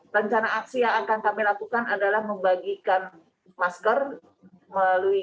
rencana aksi yang akan kami lakukan adalah membagikan masker melalui